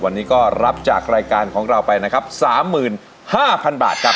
วันนี้ก็รับจากรายการของเราไปนะครับสามหมื่นห้าพันบาทครับ